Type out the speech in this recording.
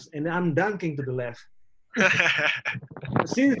sebenarnya kamu bisa tanya mereka